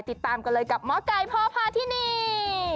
ติดตามกันเลยกับหมอไก่พ่อพาทินี